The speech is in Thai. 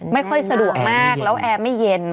ไม่ค่อยสะดวกมากแล้วแอร์ไม่เย็น